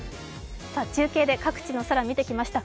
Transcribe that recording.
中継で各地の空、見てきました。